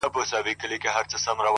د سکريټو آخيري قطۍ ده پاته ـ